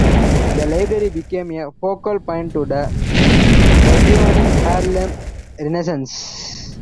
The library became a focal point to the burgeoning Harlem Renaissance.